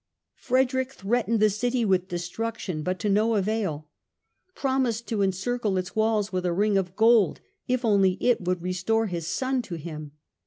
Frederick threatened the city with destruction, but to no avail ; promised to encircle its walls with a ring of gold if only it would restore his son to him.